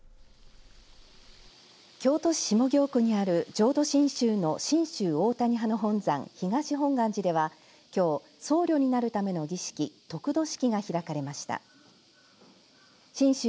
京都市下京区にある浄土真宗の真宗大谷派の本山、東本願寺ではきょう、僧侶になるための儀式得度式が開かれました。